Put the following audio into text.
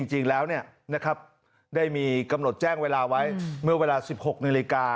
จริงแล้วได้มีกำหนดแจ้งเวลาไว้เมื่อเวลา๑๖นาฬิกา